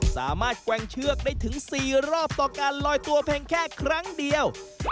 แกว่งเชือกได้ถึง๔รอบต่อการลอยตัวเพียงแค่ครั้งเดียว